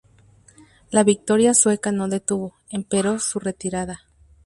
La victoria sueca no detuvo, empero, su retirada.